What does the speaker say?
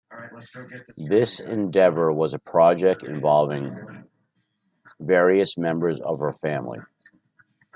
This endeavor was a project involving various members of her family.